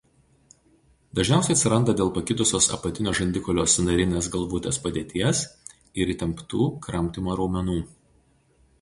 Dažniausiai atsiranda dėl pakitusios apatinio žandikaulio sąnarinės galvutės padėties ir įtemptų kramtymo raumenų.